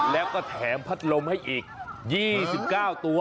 แล้วก็แถมพัดลมให้อีก๒๙ตัว